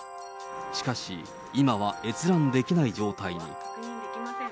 しかし、今は閲覧できない状態に。